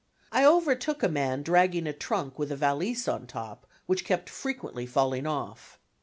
I overtook a man dragging a trunk with a valise on the top which kept frequently falling off.